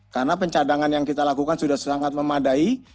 karena pencadangan yang kita lakukan sudah sangat memadai